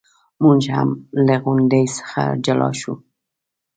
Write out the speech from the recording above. موږ هم له غونډې څخه جلا شو.